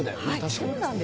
そうなんです。